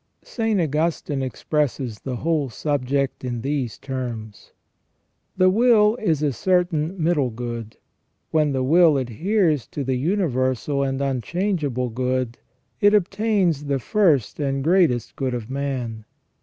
St. Augustine expresses the whole subject in these terms :" The will is a certain middle good. When the will adheres to the universal and unchangeable good, it obtains the first and greatest good of man.